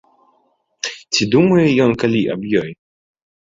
Ці думае ён калі аб ёй?